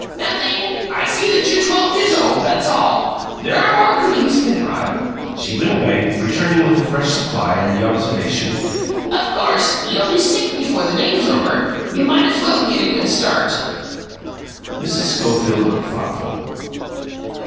"Nothing. I see that you're twelve years old, that's all. There are more cookies, Penrod." She went away, returning with a fresh supply and the observation, "Of course, you'll be sick before the day's over; you might as well get a good start." Mrs. Schofield looked thoughtful.